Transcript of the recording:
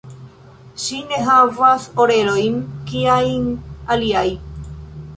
Ŝi ne havas orelojn kiajn aliaj.